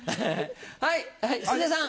はい鈴江さん。